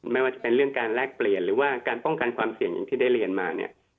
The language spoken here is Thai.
ไม่ว่าจะเป็นเรื่องการแลกเปลี่ยนหรือว่าการป้องกันความเสี่ยงอย่างที่ได้เรียนมาเนี่ย